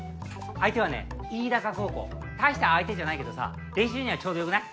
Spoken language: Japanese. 相手はね飯高高校大した相手じゃないけどさ練習にはちょうどよくない？